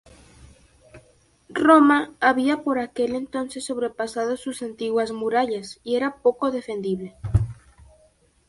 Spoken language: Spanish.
Roma había por aquel entonces sobrepasado sus antiguas murallas y era poco defendible.